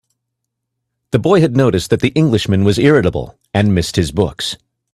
The boy had noticed that the Englishman was irritable, and missed his books.